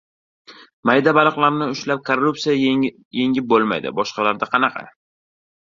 «Mayda baliq»larni ushlab korrupsiyani yengib bo‘lmaydi. Boshqalarda qanaqa?